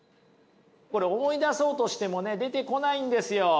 これ思い出そうとしてもね出てこないんですよ。